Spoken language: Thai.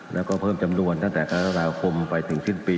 แล้วก็เพิ่มจำนวนตั้งแต่กรกฎาคมไปถึงสิ้นปี